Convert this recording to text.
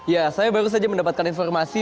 ya saya baru saja mendapatkan informasi